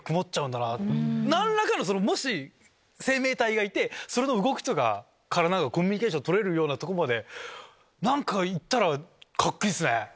何らかのもし生命体がいてそれの動きとかからコミュニケーション取れるようなとこまでいったらカッコいいっすね！